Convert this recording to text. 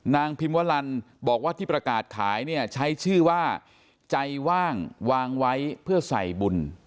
พิมวลันบอกว่าที่ประกาศขายเนี่ยใช้ชื่อว่าใจว่างวางไว้เพื่อใส่บุญ